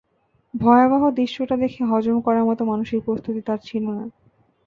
ভয়াবহ দৃশ্যটা দেখে হজম করার মতো মানসিক প্রস্তুতি তার ছিল না।